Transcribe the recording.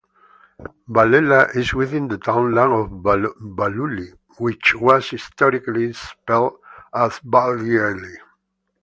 Ballela is within the townland of Ballooly, which was historically spelt as Ballyely.